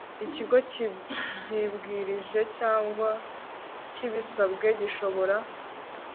Ikigo kibyibwirije cyangwa kibisabwe gishobora